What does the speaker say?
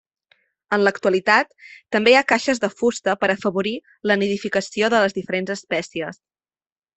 En l'actualitat també hi ha caixes de fusta per afavorir la nidificació de diferents espècies.